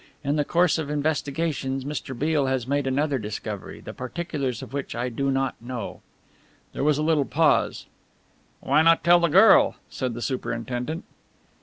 In the course of investigations Mr. Beale has made another discovery, the particulars of which I do not know." There was a little pause. "Why not tell the girl?" said the superintendent.